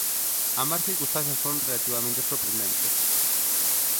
Ambas circunstancias foron relativamente sorprendentes.